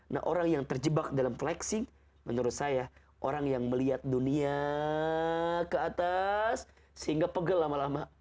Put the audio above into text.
nah orang yang terjebak dalam flexing menurut saya orang yang melihat dunia ke atas sehingga pegel lama lama